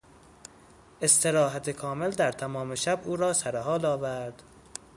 استراحت کامل در تمام شب او را سرحال آورد.